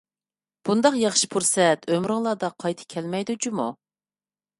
بۇنداق ياخشى پۇرسەت ئۆمرۈڭلاردا قايتا كەلمەيدۇ جۇمۇ!